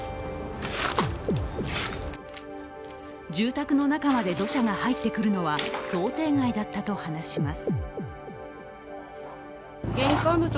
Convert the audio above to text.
住宅の中まで土砂が入ってくるのは想定外だったと話します。